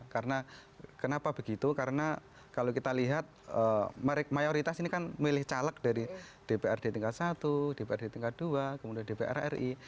karena kenapa begitu karena kalau kita lihat mayoritas ini kan milih caleg dari dprd tingkat satu dprd tingkat dua kemudian dpr ri